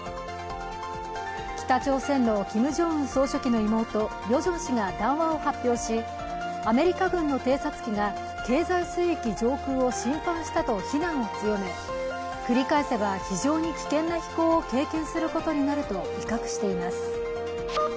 北朝鮮のキム・ジョンウン総書記の妹ヨジョン氏が談話を発表しアメリカ軍の偵察機が経済水域上空を侵犯したと非難を強め、繰り返せば非常に危険な飛行を経験することになると威嚇しています。